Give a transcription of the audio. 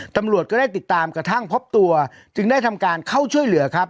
ตำรวจก็ได้ติดตามกระทั่งพบตัวจึงได้ทำการเข้าช่วยเหลือครับ